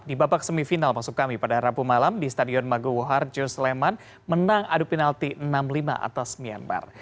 di babak semifinal maksud kami pada rabu malam di stadion maguwo harjo sleman menang adu penalti enam lima atas myanmar